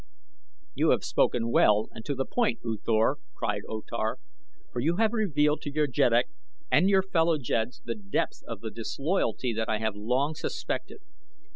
"You have spoken well and to the point, U Thor," cried O Tar, "for you have revealed to your jeddak and your fellow jeds the depth of the disloyalty that I have long suspected.